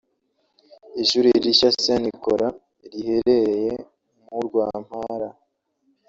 Ishuri rishya Saint Nicolas riherereye mu Rwampara